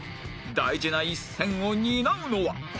大事な一戦を担うのは